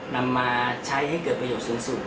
นำมาใช้ให้เกิดประโยชน์สูงสุด